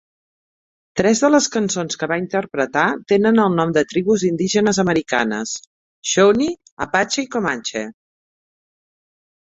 Tres de les cançons que va interpretar tenen el nom de tribus indígenes americanes: "Shawnee", "Apache" i "Comanche".